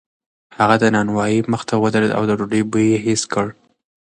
هغه د نانوایۍ مخې ته ودرېد او د ډوډۍ بوی یې حس کړ.